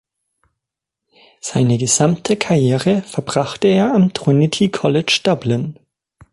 Seine gesamte Karriere verbrachte er am Trinity College Dublin.